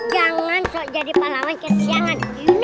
jangan jadi pahlawan kesianan